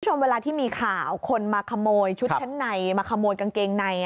เวลาที่มีข่าวคนมาขโมยชุดชั้นในมาขโมยกางเกงใน